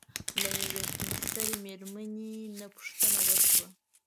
له يوې سپين سري مېرمنې نه پوښتنه وشوه